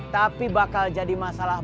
tapi bakal jadi masalah